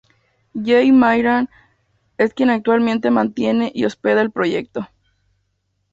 Jay Maynard es quien actualmente mantiene y hospeda el proyecto.